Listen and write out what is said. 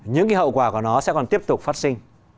những hậu quả của nó sẽ còn tiếp tục phát sinh